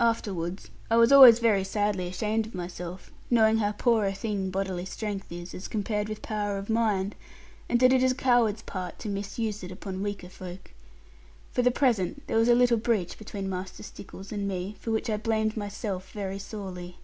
Afterwards, I was always very sadly ashamed of myself, knowing how poor a thing bodily strength is, as compared with power of mind, and that it is a coward's part to misuse it upon weaker folk. For the present there was a little breach between Master Stickles and me, for which I blamed myself very sorely.